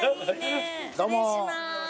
どうも。